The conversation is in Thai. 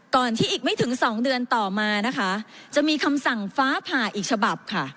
ที่อีกไม่ถึงสองเดือนต่อมานะคะจะมีคำสั่งฟ้าผ่าอีกฉบับค่ะ